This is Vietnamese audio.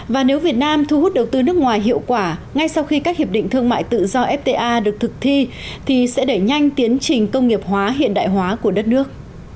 và nếu việt nam thu hút đầu tư nước ngoài hiệu quả ngay sau khi các hiệp định thương mại tự do fta được thực thi thì sẽ đẩy nhanh tiến trình công nghiệp hóa hiện đại hóa của đất nước